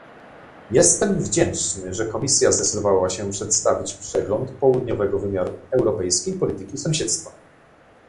Jestem wdzięczny, że Komisja zdecydowała się przedstawić przegląd południowego wymiaru europejskiej polityki sąsiedztwa